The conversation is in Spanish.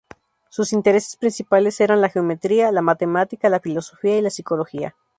Sus intereses principales eran la geometría, la matemática, la filosofía y la psicología.